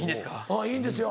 いいんですか？